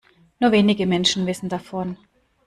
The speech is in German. Nur wenige Menschen wissen davon.